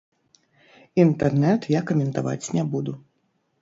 Інтэрнэт я каментаваць не буду.